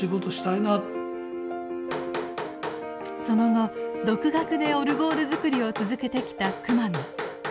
その後独学でオルゴール作りを続けてきた熊野。